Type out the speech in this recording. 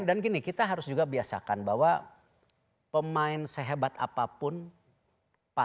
dan gini kita harus juga biasakan bahwa pemain sehebat apapun pasti diselenggarakan